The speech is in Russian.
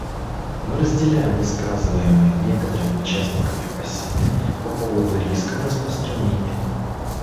Мы разделяем высказываемые некоторыми участниками опасения по поводу рисков распространения.